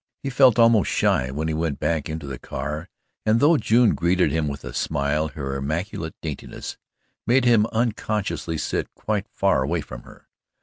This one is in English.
He felt almost shy when he went back into the car, and though June greeted him with a smile, her immaculate daintiness made him unconsciously sit quite far away from her.